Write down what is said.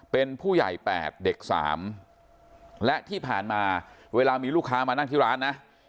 เป็นผู้ใหญ่๘เด็ก๓และที่ผ่านมาเวลามีลูกค้ามานั่งที่ร้านนะ